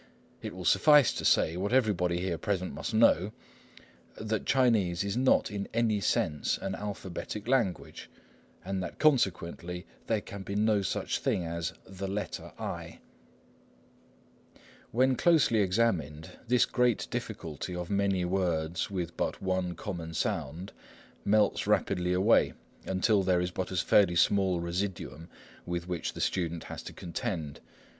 It will suffice to say, what everybody here present must know, that Chinese is not in any sense an alphabetic language, and that consequently there can be no such thing as "the letter I." When closely examined, this great difficulty of many words with but one common sound melts rapidly away, until there is but a fairly small residuum with which the student has to contend.